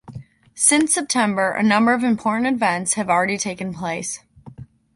Since September, a number of important events have already taken place.